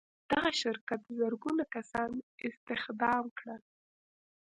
دغه شرکت زرګونه کسان استخدام کړل.